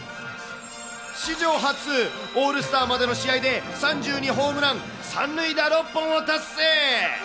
史上初、オールスターまでの試合で、３２ホームラン、３塁打６本を達成。